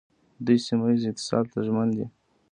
دوی سیمه ییز اتصال ته ژمن دي.